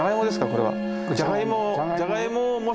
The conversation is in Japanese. これは。